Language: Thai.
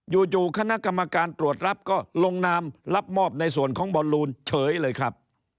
อยู่คณะกรรมการตรวจรับก็ลงนามรับมอบในส่วนของบอลลูนเฉยเลยครับ